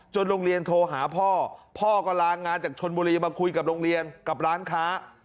โรงเรียนโทรหาพ่อพ่อก็ลางานจากชนบุรีมาคุยกับโรงเรียนกับร้านค้า